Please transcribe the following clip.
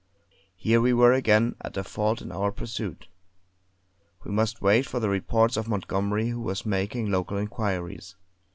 Here, we were again at a fault in our pursuit. We must wait for the reports of Montgomery who was making local inquiries.